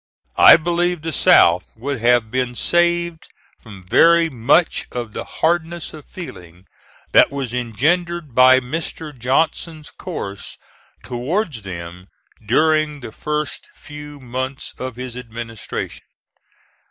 I believe the South would have been saved from very much of the hardness of feeling that was engendered by Mr. Johnson's course towards them during the first few months of his administration.